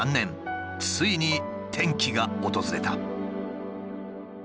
ついに転機が訪れた。